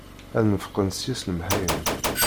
Ad neffqent seg-s lemḥayen.